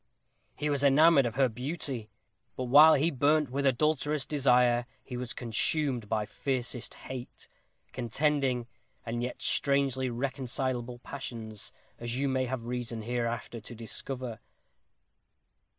He was enamored of her beauty. But while he burnt with adulterous desire, he was consumed by fiercest hate contending, and yet strangely reconcilable passions as you may have reason, hereafter, to discover."